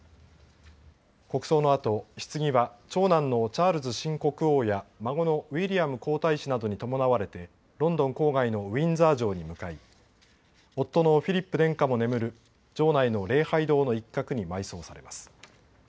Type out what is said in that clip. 国葬のあと、ひつぎは長男のチャールズ新国王や孫のウィリアム皇太子などに伴われてロンドン郊外のウィンザー城に向かい夫のフィリップ殿下も眠る城内の礼拝堂の一角に埋葬されます。